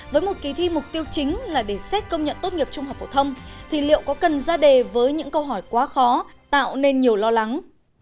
với một kỳ thi mục tiêu chính là để xét công nhận tốt nghiệp trung học phổ thông thì liệu có cần ra đề với những câu hỏi quá khó tạo nên nhiều lo lắng